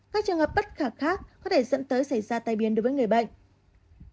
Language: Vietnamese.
các trường hợp bất khả khác có thể dẫn tới xảy ra tai biến đối với người bệnh